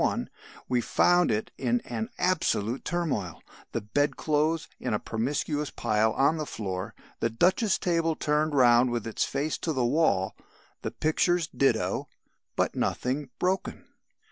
1) we found it in an absolute turmoil: the bed clothes in a promiscuous pile on the floor, the duchess table turned round with its face to the wall, the pictures ditto but nothing broken.